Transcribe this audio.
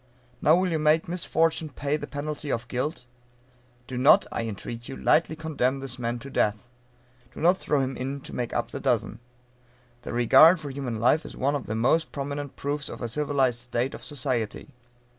Now will you make misfortune pay the penalty of guilt? Do not, I entreat you, lightly condemn this man to death. Do not throw him in to make up the dozen. The regard for human life is one of the most prominent proofs of a civilized state of society.